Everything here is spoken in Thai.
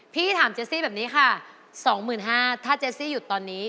พี่ถามเจซี่แบบนี้ค่ะ๒๕๐๐บาทถ้าเจสซี่หยุดตอนนี้